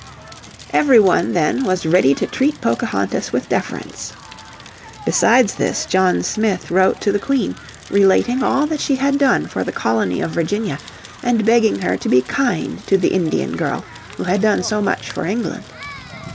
Every one, then, was ready to treat Pocahontas with deference. Besides this John Smith wrote to the Queen relating all that she had done for the Colony of Virginia and begging her to be kind to the Indian girl who had done so much for England.